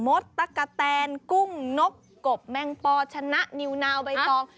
ดตะกะแตนกุ้งนกกบแมงปอชนะนิวนาวใบตอง